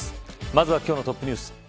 まずは、今日のトップニュース。